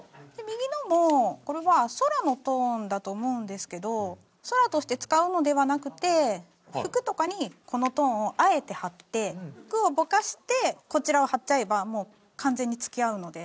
右のもこれは空のトーンだと思うんですけど空として使うのではなくて服とかにこのトーンをあえて貼って服をぼかしてこちらを貼っちゃえばもう完全に付き合うので。